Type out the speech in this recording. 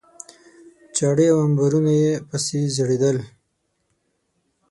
چاړې او امبورونه پسې ځړېدل.